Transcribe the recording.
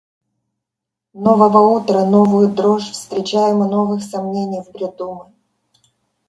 Нового утра новую дрожь встречаем у новых сомнений в бреду мы.